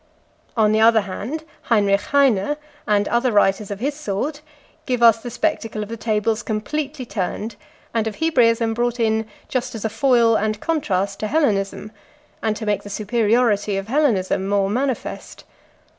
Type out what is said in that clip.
On the other hand, Heinrich Heine, and other writers of his sort, give us the spectacle of the tables completely turned, and of Hebraism brought in just as a foil and contrast to Hellenism, and to make the superiority of Hellenism more manifest.